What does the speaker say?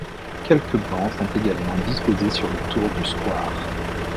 Quelques bancs sont également disposés sur le tour du square.